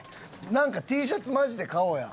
なんかＴシャツマジで買おうや。